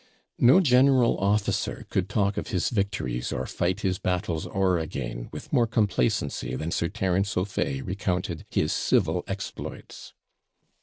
No general officer could talk of his victories, or fight his battles o'er again, with more complacency than Sir Terence O'Fay recounted his CIVIL exploits.